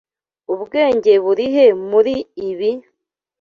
Ubwenge burihe muri ibi?